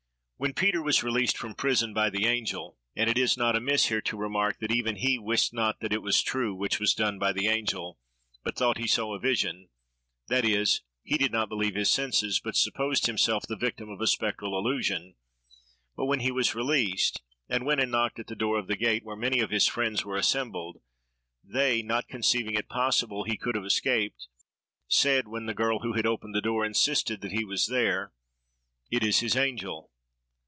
When Peter was released from prison by the angel—and it is not amiss here to remark, that even he "wist not that it was true which was done by the angel, but thought he saw a vision," that is, he did not believe his senses, but supposed himself the victim of a spectral illusion—but when he was released, and went and knocked at the door of the gate, where many of his friends were assembled, they, not conceiving it possible he could have escaped, said, when the girl who had opened the door insisted that he was there, "It is his angel."